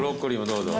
どうぞ。